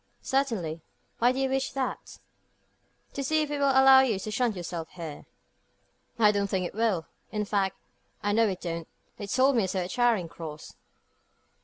"Certainly. Why do you wish that?" "To see if it will allow you to shunt yourself here." "I don't think it will. In fact, I know it don't. They told me so at Charing Cross."